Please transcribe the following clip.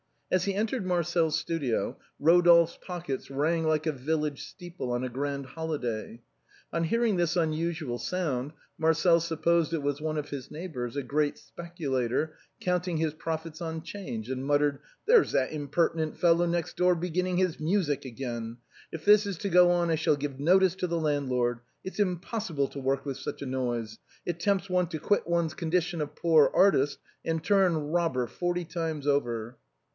As he entered Marcel's studio, Ro dolphe's pockets rang like a village steeple on a grand holi day. On hearing this unusual sound. Marcel supposed it was one of his neighbors, a great speculator, counting his profits on ''Change, and muttered :" There's that imperti nent fellow next door beginning his music again ! If this is to go on, I shall give notice to the landlord. It's im possible to work with such a noise. It tempts one to quit one's condition of poor artist and turn robber, forty times over."